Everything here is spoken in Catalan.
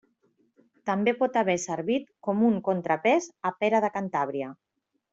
També pot haver servit com un contrapès a Pere de Cantàbria.